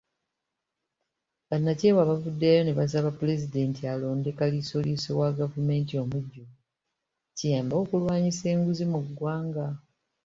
Bannakyewa bavuddeyo ne basaba Pulezidenti alonde kaliisoliiso wa gavumenti omujjuvu kiyambe okulwanyisa enguzi mu ggwanga.